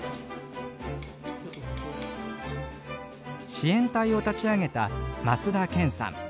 支援隊を立ち上げた松田憲さん。